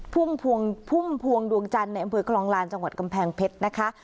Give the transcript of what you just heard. ภูมฟวงอิมภวยกรรองลานจังหวัดกำแพงเพชรนะคะ